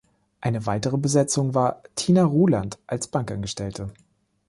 Eine weitere Besetzung war Tina Ruland als Bankangestellte.